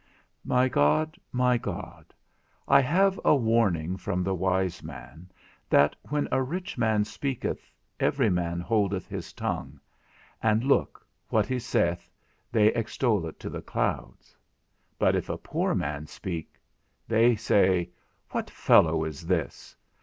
My God, my God, I have a warning from the wise man, that _when a rich man speaketh every man holdeth his tongue, and, look, what he saith, they extol it to the clouds; but if a poor man speak, they say, What fellow is this?